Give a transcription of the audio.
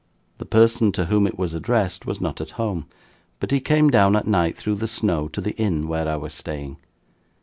The person to whom it was addressed, was not at home; but he came down at night, through the snow, to the inn where I was staying.